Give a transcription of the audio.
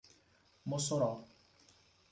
Mossoró